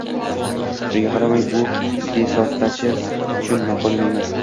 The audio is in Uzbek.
Shunga qaramay, bu De Sotochasi uchun noqonuniy emas